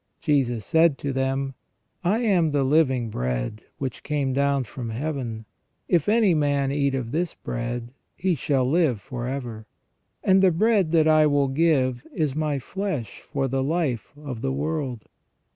Jesus said to them :" I am the living bread which came down from Heaven; if any man eat of this bread he shall live for ever ; and the bread that I will give is My flesh for the life of the world.